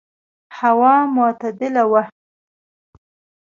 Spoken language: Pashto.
هوا معتدله وه.